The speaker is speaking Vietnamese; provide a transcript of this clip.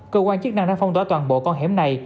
cơ quan chức năng đã phong tỏa toàn bộ con hẻm này